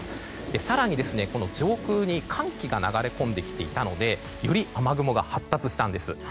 更に上空に寒気が流れ込んできていたのでより雨雲が発達したんです。